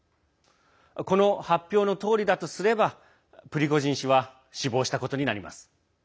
この発表のとおりだとすればプリゴジン氏は死亡したことになります。